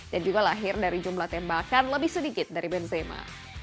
dan juga lahir dari jumlah tembakan lebih sedikit dari benzema